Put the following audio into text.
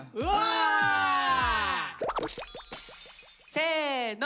せの！